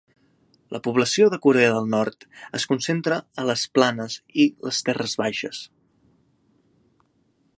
La població de Corea del Nord es concentra a les planes i les terres baixes.